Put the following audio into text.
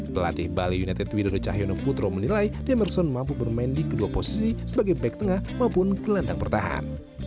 pelatih bali united widodo cahyono putro menilai damerson mampu bermain di kedua posisi sebagai back tengah maupun gelandang pertahan